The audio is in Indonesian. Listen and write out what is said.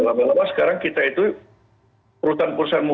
dan lama lama sekarang kita itu perhutang perusahaan mobil